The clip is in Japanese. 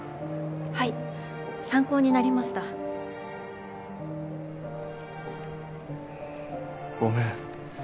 はい参考になりましたごめん